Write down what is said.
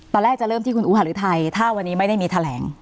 ตอนแรกจะเริ่มที่คุณอูหาหรือไทยถ้าวันนี้ไม่ได้มีแถลง